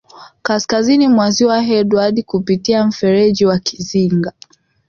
Kaskazini mwa Ziwa Edward kupitia mferji wa Kizinga